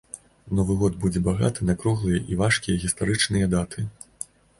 Новы год будзе багаты на круглыя і важкія гістарычныя даты.